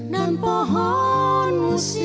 saya tidak akan anders